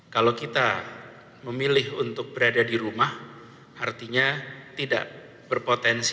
kalau kita memilih untuk berada di rumah artinya tidak berpotensi